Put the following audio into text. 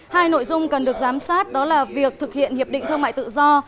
hai nội dung cần được giám sát đó là việc thực hiện hiệp định thương mại tự do